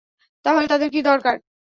তাহলে তাদের কি দরকার?